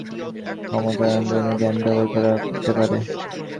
তিনি আফ্রিকান আমেরিকানদের ক্ষমতায়নের জন্য তার জ্ঞান ব্যবহার করতে পারে।